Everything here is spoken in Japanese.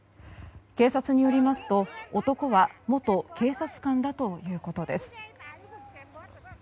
警察によりますと、男は元警察官だということです。